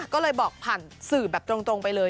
ก็เลยบอกผ่านสื่อแบบตรงไปเลย